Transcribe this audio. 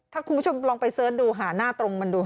ถ้าคุณผู้ชมลองไปเสิร์ชดูหาหน้าตรงมันดูค่ะ